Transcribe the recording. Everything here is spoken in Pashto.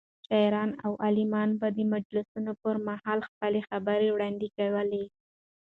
شاعران او علما به د مجلسونو پر مهال خپلې خبرې وړاندې کولې.